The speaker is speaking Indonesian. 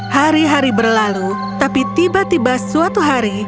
hari hari berlalu tapi tiba tiba suatu hari